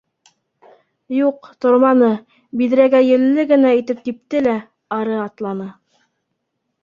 Юҡ, торманы, биҙрәгә елле генә итеп типте лә, ары атланы.